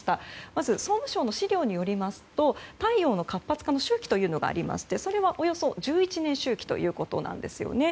まず、総務省の資料によりますと太陽の活発化の周期というものがありましてそれは、およそ１１年周期ということなんですね。